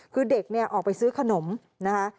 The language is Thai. คือเด็กเนี่ยออกไปซื้อขนมนะคะ